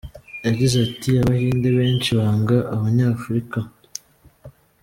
Yagize ati “Abahinde benshi banga abanyafurika.